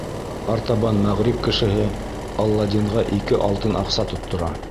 Артабан мәғриб кешеһе Аладдинға ике алтын аҡса тоттора.